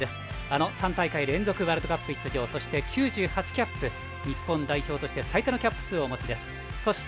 あの３大会連続ワールドカップ出場そして、９８キャップ日本代表として最多のキャップ数をお持ちです。